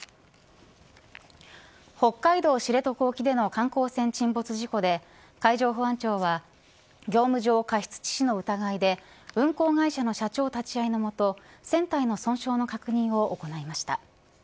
北海道知床沖での観光船沈没事故で海上保安庁は業務上過失致死の疑いで運航会社の社長立ち会いの下船体の損傷の確認を行いました。